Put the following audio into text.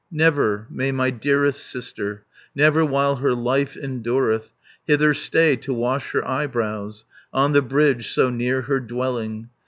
Never may my dearest sister, Never while her life endureth, 360 Hither stay to wash her eyebrows, On the bridge so near her dwelling.